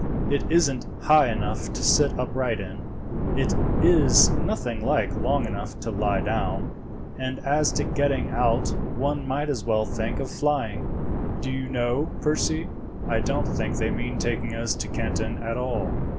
It isn't high enough to sit upright in, it is nothing like long enough to lie down, and as to getting out one might as well think of flying. Do you know, Percy, I don't think they mean taking us to Canton at all.